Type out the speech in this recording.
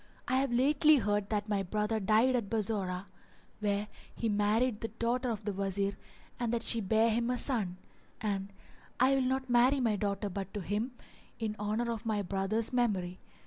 I have lately heard that my brother died at Bassorah, where he had married the daughter of the Wazir and that she bare him a son; and I will not marry my daughter but to him in honour of my brother's memory.